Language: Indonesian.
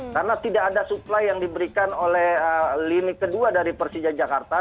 karena tidak ada supply yang diberikan oleh linik kedua dari persija jakarta